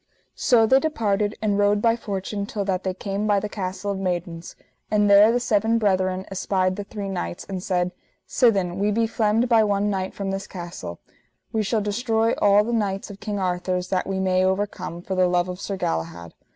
So they departed and rode by fortune till that they came by the Castle of Maidens; and there the seven brethren espied the three knights, and said: Sithen, we be flemed by one knight from this castle, we shall destroy all the knights of King Arthur's that we may overcome, for the love of Sir Galahad.